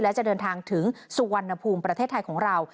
และจะเดินทางถึงสุวรรณภูมิประเทศไทยของเรา